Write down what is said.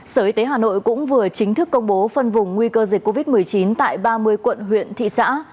sở y tế hà nội cũng vừa chính thức công bố phân vùng nguy cơ dịch covid một mươi chín tại ba mươi quận huyện thị xã